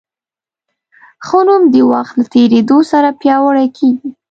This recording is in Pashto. ښه نوم د وخت له تېرېدو سره پیاوړی کېږي.